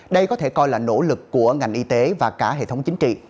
đây có thể coi là nỗ lực của ngành y tế và cả hệ thống chính trị